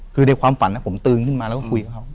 คือในความฝันผมตื่นขึ้นมาแล้วก็คุยกับเขา